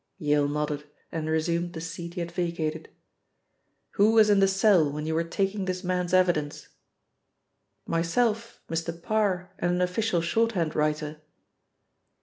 Yale nodded, and resumed the seat he had vacated. "Who was in the cell when you were taking this man's evidence?" "Myself, Mr. Parr and an official shorthand writer."